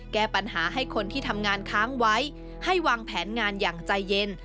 แก้ปัญหาให้คนที่ทำงานค้างไว้ให้วางแผนงานอย่างใจเย็น